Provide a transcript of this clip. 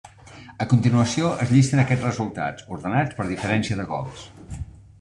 A continuació es llisten aquests resultats, ordenats per diferència de gols.